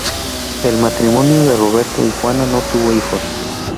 El matrimonio de Roberto y Juana no tuvo hijos.